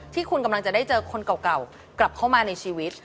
ที่คุณกำลังจะได้เจอคนเก่ากลับเข้ามาในชีวิต